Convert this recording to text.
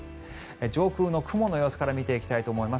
上空の雲の様子から見ていただきたいと思います。